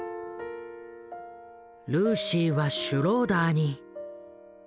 ルーシーはシュローダーに。